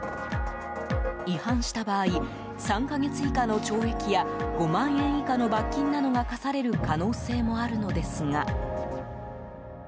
違反した場合３か月以下の懲役や５万円以下の罰金などが科される可能性もあるのですが。